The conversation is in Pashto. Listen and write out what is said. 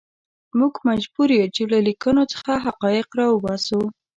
موږ مجبور یو چې له لیکنو څخه حقایق راوباسو.